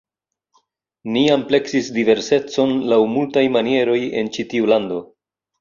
Ni ampleksis diversecon laŭ multaj manieroj en ĉi tiu lando.